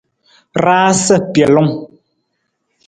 Raasa pelung.